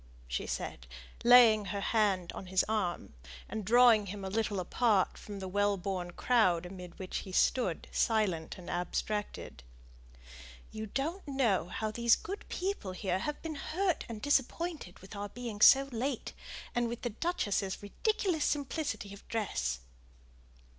she said, laying her hand on his arm, and drawing him a little apart from the well born crowd amid which he stood, silent and abstracted, "you don't know how these good people here have been hurt and disappointed with our being so late, and with the duchess's ridiculous simplicity of dress."